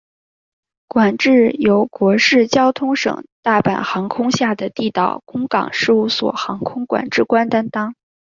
管制由国土交通省大阪航空局下地岛空港事务所航空管制官担当。